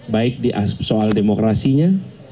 baik di soal demokrasinya